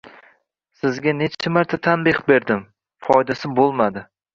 Sizga nechi marta tanbeh berdim! Foydasi boʻlmadi